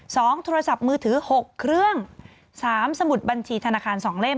โทรศัพท์มือถือหกเครื่องสามสมุดบัญชีธนาคารสองเล่ม